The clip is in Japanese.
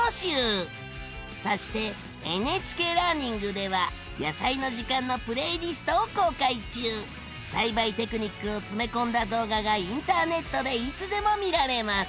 そしてＮＨＫラーニングでは「やさいの時間」のプレイリストを公開中！栽培テクニックを詰め込んだ動画がインターネットでいつでも見られます！